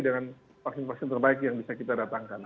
dengan vaksin vaksin terbaik yang bisa kita datangkan